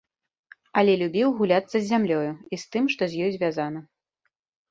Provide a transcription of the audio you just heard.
Але любіў гуляцца з зямлёю, і з тым, што з ёй звязана.